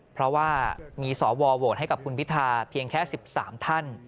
เพราะว่ามีสวโหวตให้กับคุณพิทาเพียงแค่๑๓ท่าน